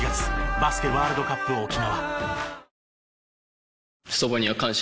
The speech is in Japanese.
バスケワールドカップ沖縄。